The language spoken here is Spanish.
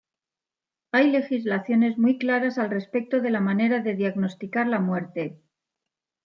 Hay legislaciones muy claras al respecto de la manera de diagnosticar la muerte.